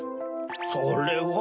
それは。